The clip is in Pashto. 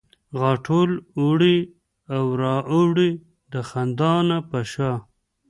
غاټول اوړي او را اوړي د خندا نه په شا